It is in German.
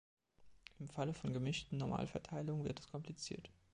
Im Falle von gemischten Normalverteilungen wird es kompliziert.